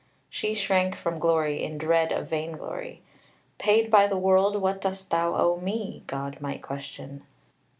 She shrank from glory in dread of vain glory. "'Paid by the world, what dost thou owe Me?' God might question."